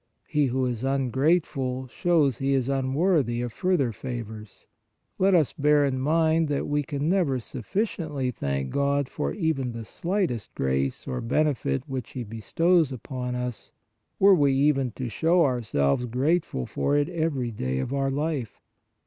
He who is ungrateful, shows he is unworthy of further favors. Let us bear in mind that we can never sufficiently thank God for even the slightest grace or benefit which He bestows upon us, were we even to show ourselves grateful for it every day of our life.